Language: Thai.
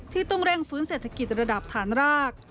ที่ต้องเร่งฟื้นเศรษฐกิจระดับฐานราก